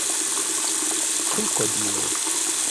krokodilo